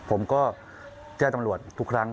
ผมก็แจ้งตำรวจทุกครั้ง